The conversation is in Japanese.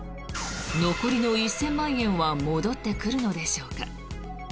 残りの１０００万円は戻ってくるのでしょうか。